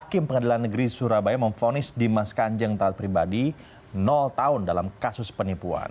hakim pengadilan negeri surabaya memfonis dimas kanjeng taat pribadi tahun dalam kasus penipuan